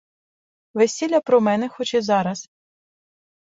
Весілля, про мене, хоч і зараз.